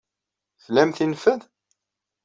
Tlamt infed?